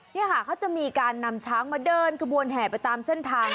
นี่ค่ะเขาจะมีการนำช้างมาเดินกระบวนแห่ไปตามเส้นทาง